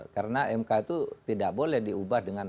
karena mk itu tidak boleh diubah dengan